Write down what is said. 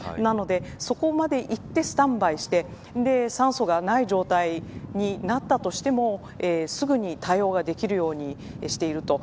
そこまで行ってスタンバイして酸素がない状態になったとしてもすぐに対応ができるようにしていると。